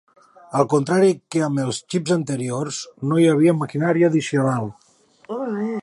Al contrari que amb els xips anteriors, no hi havia maquinari addicional.